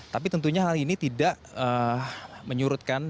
tapi tentunya hal ini tidak menyurutkan